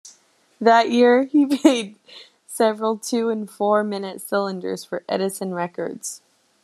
That year he made several two and four-minute cylinders for Edison Records.